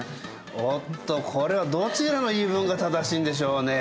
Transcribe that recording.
おっとこれはどちらの言い分が正しいんでしょうね。